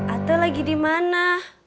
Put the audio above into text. ate lagi dimana